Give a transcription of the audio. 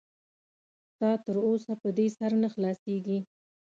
ستا تر اوسه په دې سر نه خلاصېږي.